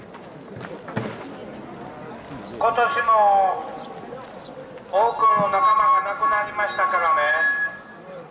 今年も多くの仲間が亡くなりましたからね。